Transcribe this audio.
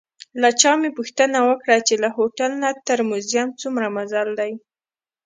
له چا مې پوښتنه وکړه چې له هوټل نه تر موزیم څومره مزل دی؟